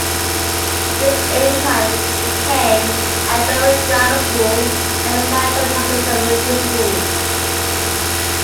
This in time became Andover Grammar School, and is now John Hanson Community School.